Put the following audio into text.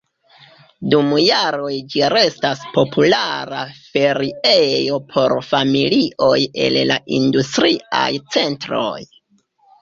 Dum jaroj ĝi restas populara feriejo por familioj el la industriaj centroj.